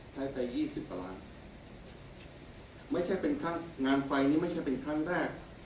ใช้ไป๒๐กว่าล้านไม่ใช่เป็นครั้งงานไฟนี่ไม่ใช่เป็นครั้งแรก